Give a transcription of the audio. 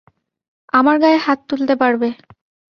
আমার গায়ে হাত তুলতে পারবে।